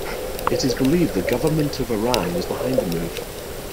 It is believed the government of Iran was behind the move.